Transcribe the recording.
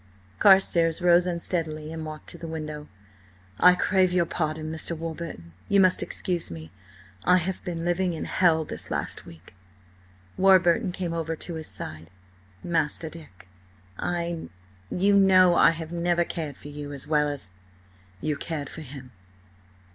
Carstares rose unsteadily and walked to the window. "I crave your pardon, Mr. Warburton–you must excuse me–I have been–living in hell–this last week." Warburton came over to his side. "Master Dick–I–you know I have never cared for you–as–well–as—" "You cared for him."